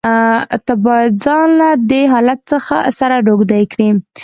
ته بايد ځان له دې حالت سره روږدى کړې.